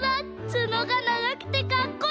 ツノがながくてかっこいい！